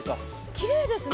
きれいですね。